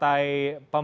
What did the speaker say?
nah kita juga dengarkan